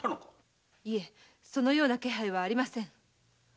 いえそのような気配はありません。